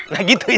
nah gitu ya